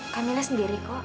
kamila sendiri kok